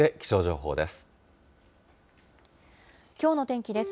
きょうの天気です。